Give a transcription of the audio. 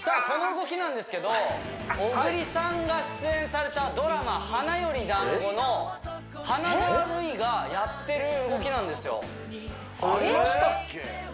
この動きなんですけど小栗さんが出演されたドラマ「花より男子」の花沢類がやってる動きなんですよありましたっけ？